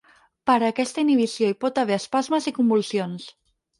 Per aquesta inhibició hi pot haver espasmes i convulsions.